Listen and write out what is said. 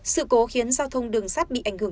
sự cố khiến giao thông đường sắt bị ảnh hưởng